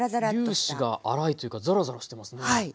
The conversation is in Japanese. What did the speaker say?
粒子が粗いというかザラザラしてますね。